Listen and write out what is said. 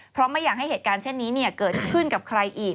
เพราะไม่อยากให้เหตุการณ์เช่นนี้เกิดขึ้นกับใครอีก